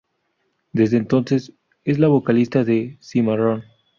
Desde entonces, es la vocalista de Cimarrón.